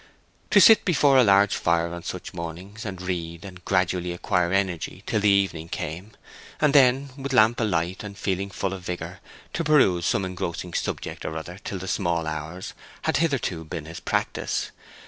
To sit before a large fire on such mornings, and read, and gradually acquire energy till the evening came, and then, with lamp alight, and feeling full of vigor, to pursue some engrossing subject or other till the small hours, had hitherto been his practice.